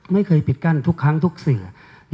ไม่เคยปิดกั้นทุกครั้งทุกสื่อ